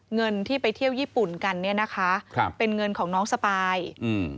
เงินที่ไปเที่ยวญี่ปุ่นกันเนี้ยนะคะครับเป็นเงินของน้องสปายอืม